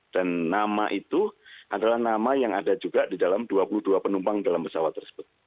dan nama itu adalah nama yang ada juga di dalam dua puluh dua penumpang dalam pesawat tersebut